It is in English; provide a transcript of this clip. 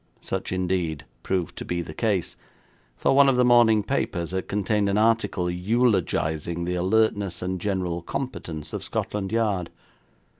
Such, indeed, proved to be the case, for one of the morning papers had contained an article eulogising the alertness and general competence of Scotland Yard.